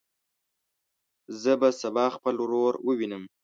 زه به سبا خپل ورور ووینم.